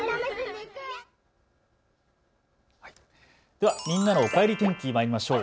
ではみんなのおかえり天気にまいりましょう。